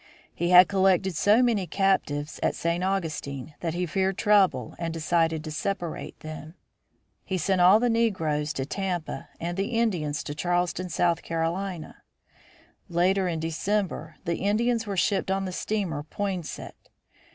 He had collected so many captives at St. Augustine that he feared trouble and decided to separate them. He sent all the negroes to Tampa and the Indians to Charleston, S. C. Late in December the Indians were shipped on the steamer Poinsett.